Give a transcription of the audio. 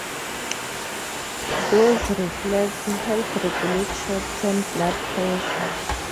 These reflexes help regulate short-term blood pressure.